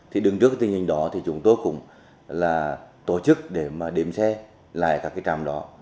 thì đứng trước cái tình hình đó thì chúng tôi cũng là tổ chức để mà đếm xe lại các cái tràm đó